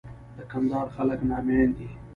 د کندهار خلک ناميان دي.